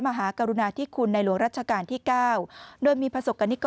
มหากรุณาที่คุณในหลวงรัชการที่เก้าโดยมีพระศกณิก